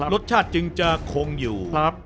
รสชาติจึงจะคงอยู่